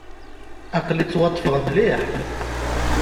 Aql-i ttwaṭṭfeɣ mliḥ.